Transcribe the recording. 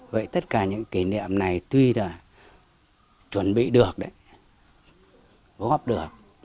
vậy tất cả những kỷ niệm này tuy đã chuẩn bị được đấy góp được